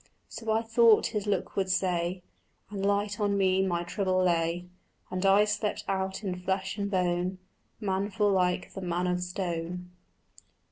So I thought his look would say; And light on me my trouble lay, And I slept out in flesh and bone Manful like the man of stone.